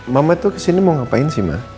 mama tuh kesini mau ngapain sih mbak